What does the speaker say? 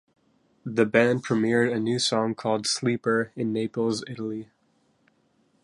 The band premiered a new song called "Sleeper" in Naples, Italy.